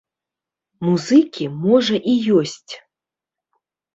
Музыкі, можа, і ёсць.